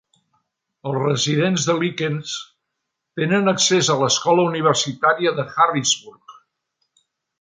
Els residents de Lykens tenen accés a l'Escola Universitària de Harrisburg.